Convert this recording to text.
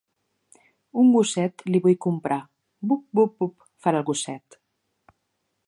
Un gosset li vull comprar. Bup, bup, bup, farà el gosset.